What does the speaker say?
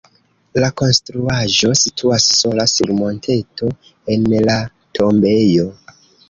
La konstruaĵo situas sola sur monteto en la tombejo.